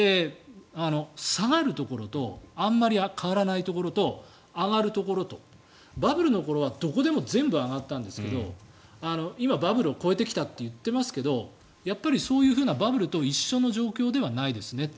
下がるところとあまり変わらないところと上がるところとバブルの頃はどこでも全部上がったんですけど今、バブルを超えてきたといっていますけどやっぱりそういうバブルと一緒の状況ではないですねと。